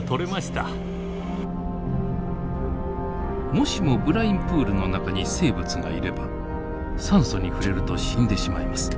もしもブラインプールの中に生物がいれば酸素に触れると死んでしまいます。